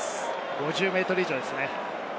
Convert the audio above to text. ５０ｍ以上ですね。